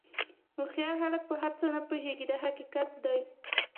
هوښیار خلک په هر څه نه پوهېږي دا حقیقت دی.